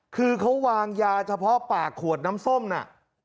คือเขาวางยาเฉพาะปากขวดน้ำส้มน่ะ